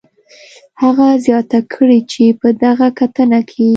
هغه زیاته کړې چې په دغه کتنه کې